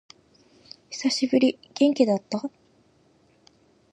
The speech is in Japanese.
久しぶり。元気だった？